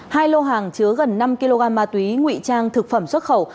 hai lô hàng chứa gần năm kg ma túy nguy trang thực phẩm xuất khẩu